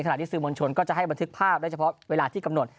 ที่สื่อมวลชนก็จะให้บันทึกภาพได้เฉพาะเวลาที่กำหนด